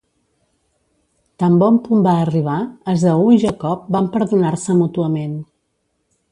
Tan bon punt va arribar, Esaú i Jacob van perdonar-se mútuament.